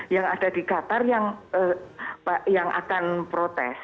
yang ada di qatar yang akan protes